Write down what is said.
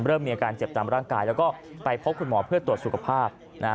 เริ่มมีอาการเจ็บตามร่างกายแล้วก็ไปพบคุณหมอเพื่อตรวจสุขภาพ